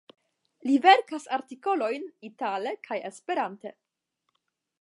Li verkas artikolojn itale kaj Esperante.